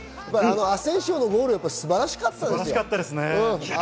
アセンシオのゴール素晴らしかったです。